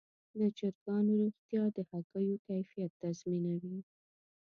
د چرګانو روغتیا د هګیو کیفیت تضمینوي.